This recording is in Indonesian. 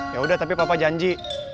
yaudah tapi papa janji